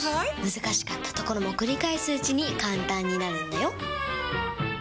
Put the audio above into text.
難しかったところも繰り返すうちに簡単になるんだよ！